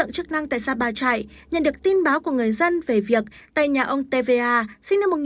chức năng tại sapa chạy nhận được tin báo của người dân về việc tại nhà ông tva sinh năm một nghìn chín trăm tám mươi bốn